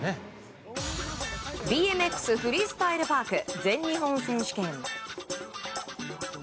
フリースタイル・パーク全日本選手権。